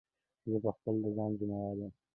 زه په خپله د خپل ځان ضیموار یم.